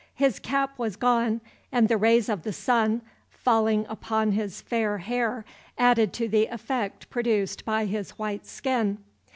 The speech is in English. His cap was gone, and the rays of the sun, falling upon his fair hair, added to the effect produced by his white skin.